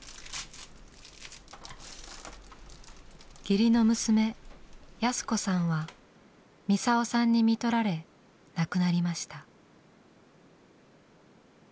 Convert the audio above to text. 義理の娘やすこさんはミサオさんに看取られ亡くなりました。